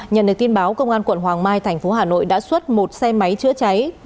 nhận được tin báo công an quận hoàng mai thành phố hà nội đã xuất một xe máy chữa cháy